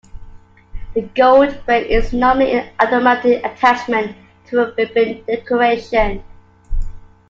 The gold frame is normally an automatic attachment to a ribbon decoration.